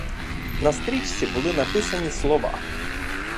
На стрічці були написані слова.